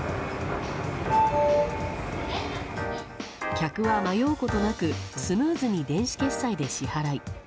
客は迷うことなくスムーズに電子決済で支払い。